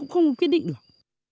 không quyết định được